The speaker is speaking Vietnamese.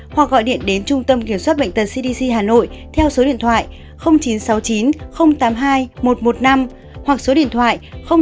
hoặc gọi điện đến trung tâm kiểm soát bệnh tật cdc hà nội theo số điện thoại chín trăm sáu mươi chín tám mươi hai một trăm một mươi năm hoặc số điện thoại chín trăm bốn mươi chín ba trăm chín mươi sáu một trăm một mươi năm